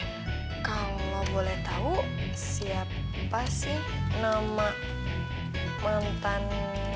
oke kalo boleh tau siapa sih nama mantan